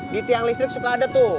di tiang listrik suka ada tuh